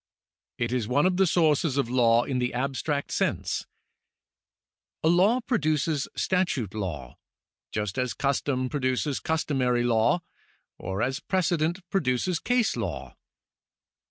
It is one of the sources of law in the abstract sense. A law produces statute law, just as custom produces customary law, or as a precedent produces case law.